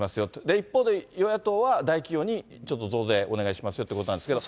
一方で、与野党は大企業にちょっと、増税お願いしますよということなんですけど。